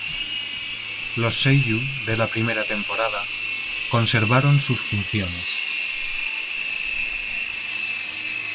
Los seiyū de la primera temporada conservaron sus funciones.